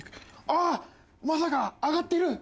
あっまさかアガってる！